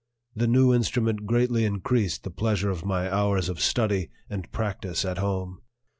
The new instrument greatly increased the pleasure of my hours of study and practice at home.